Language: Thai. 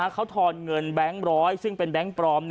เขาทอนเงินแบงค์ร้อยซึ่งเป็นแบงค์ปลอม